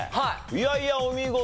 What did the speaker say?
いやいやお見事。